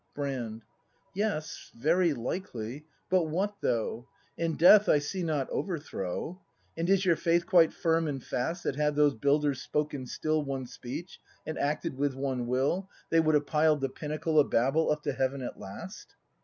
Brand. Yes, very likely : but what though ? In Death I see not Overthrow. And is your faith quite firm and fast That had those builders spoken still One speech, and acted with one will. They would have piled the pinnacle Of Babel up to heaven at last